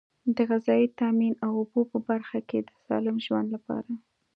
د غذایي تامین او اوبو په برخه کې د سالم ژوند لپاره.